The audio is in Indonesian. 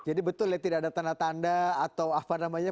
jadi betul ya tidak ada tanda tanda atau apa namanya